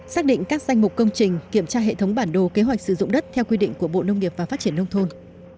xác định các danh mục công trình kiểm tra hệ thống bản đồ kế hoạch sử dụng đất theo quy định của bộ nông nghiệp và phát triển nông thôn